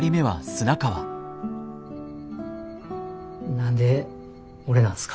何で俺なんですか？